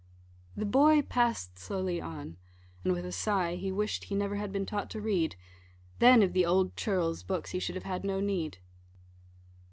The boy pass'd slowly on, and with a sigh He wish'd he never had been taught to read, Then of the old churl's books he should have had no need.